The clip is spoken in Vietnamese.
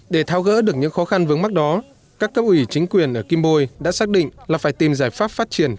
để tháo gỡ được những khó khăn vướng mắt đó các cấp ủy chính quyền ở kim bôi đã xác định là phải tìm giải pháp phát triển